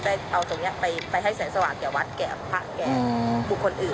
ก็จะเอาตรงนี้ไปให้แสงสวาทแก่วัฒน์แก่ภะแก่บุคคลอื่น